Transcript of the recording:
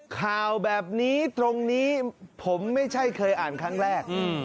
ข่าวแบบนี้ตรงนี้ผมไม่ใช่เคยอ่านครั้งแรก